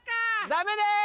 ダメです！